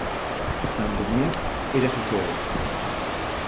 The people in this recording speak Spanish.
Sandomierz era su sede.